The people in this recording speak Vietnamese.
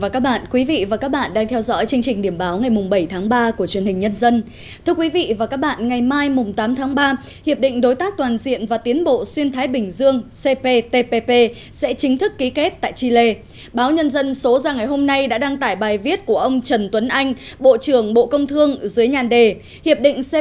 các bạn hãy đăng ký kênh để ủng hộ kênh của chúng mình nhé